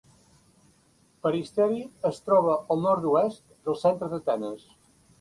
Peristeri es troba al nord-oest del centre d'Atenes.